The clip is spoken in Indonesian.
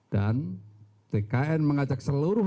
dan tkn mengajak seluruh